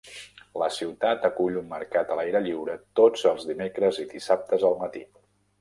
La ciutat acull un mercat a l'aire lliure tots els dimecres i dissabtes al matí.